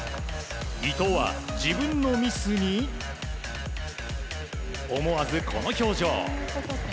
伊藤は自分のミスに思わずこの表情。